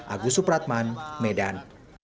agus supratman medan